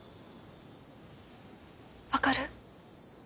分かる？